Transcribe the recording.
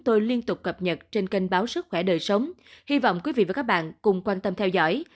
tôi liên tục cập nhật trên kênh báo sức khỏe đời sống hy vọng quý vị và các bạn cùng quan tâm theo dõi